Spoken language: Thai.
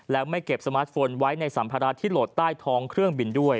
แล้วไม่เก็บสมาร์ทโฟนไว้ในสัมภาระที่โหลดใต้ท้องเครื่องบินด้วย